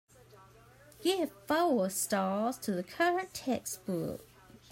Give four stars to the current textbook